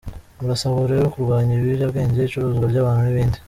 Murasabwa rero kurwanya ibiyobyabwenge, icuruzwa ry’abantu n’ibindi.